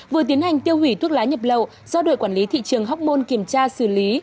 vừa tiến hành tiêu hủy thuốc lá nhập lậu do đội quản lý thị trường hóc môn kiểm tra xử lý